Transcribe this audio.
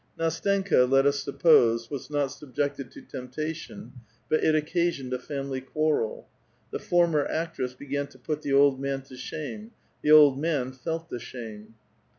Ndstenka, let us suppose, was not subjected to tempta tion, but it occasioned a family quarrel ; the former actress began to put the old man to shame ; the old man felt the shame.